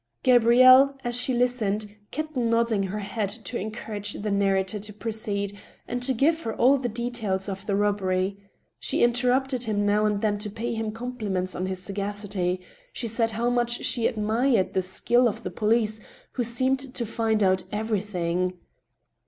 Gabrielle, as she listened, kept nodding her head to encourage the narrator to proceed, and to give her all the details of the rob bery ; she interrupted him now and then to pay him compliments on his sagacity ; she said how much she admired the skill of the police, who seemed to find out everything.